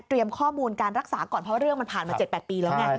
ข้อมูลการรักษาก่อนเพราะเรื่องมันผ่านมา๗๘ปีแล้วไง